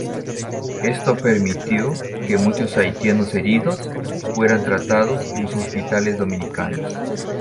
Esto permitió que muchos haitianos heridos fueran tratados en los hospitales dominicanos.